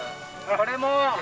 これも。